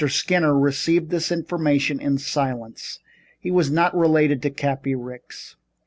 Skinner received this information in silence. He was not related to Cappy Ricks.